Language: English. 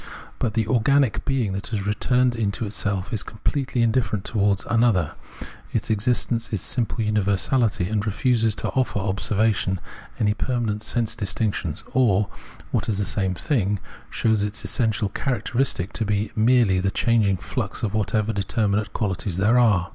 But the organic being that has returned into itself is completely indifferent towards an other ; its existence is simple universahty, and refuses to offer observation any permanent sense distinctions, or, what is the same thing, shows its essential characteristic to be merely the changing flux of whatever determinate qualities there are.